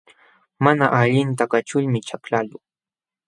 Mana allinta kaćhulmi chaklaqluu.